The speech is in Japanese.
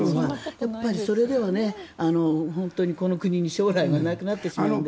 やっぱり、それではこの国に将来がなくなってしまうので。